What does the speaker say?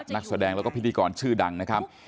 นักแสดงแล้วก็พิธีกรชื่อดังนะครับ